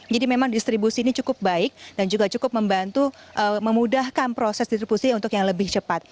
jadi memang distribusi ini cukup baik dan juga cukup membantu memudahkan proses distribusi untuk yang lebih cepat